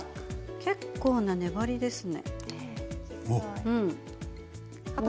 結構な粘りですね。